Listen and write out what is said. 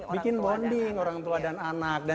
bikin bonding orang tua dan anak